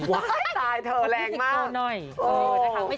วะตายเธอแรงมาก